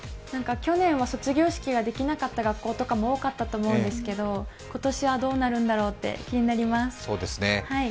去年は卒業式ができなかった学校とかも多かったと思うんですけど今年はどうなるんだろうって気になります。